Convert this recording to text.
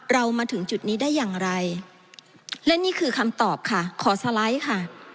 มาถึงจุดนี้ได้อย่างไรและนี่คือคำตอบค่ะขอสไลด์ค่ะ